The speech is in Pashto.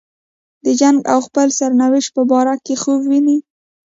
د جنګ او خپل سرنوشت په باره کې خوب ویني.